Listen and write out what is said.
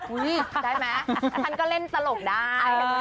อุ้ยได้มั้ยฉันก็เล่นตลกได้